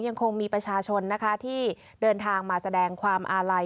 ยังคงมีประชาชนนะคะที่เดินทางมาแสดงความอาลัย